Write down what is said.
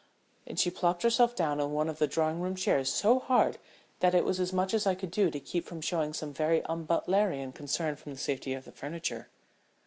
And she plumped herself down in one of the drawing room chairs so hard that it was as much as I could do to keep from showing some very unbutlerian concern for the safety of the furniture.